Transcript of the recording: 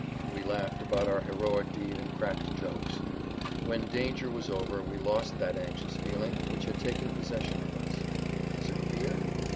We laughed about our heroic deed and cracked jokes. When danger was over we lost that anxious feeling which had taken possession of us. Was it fear?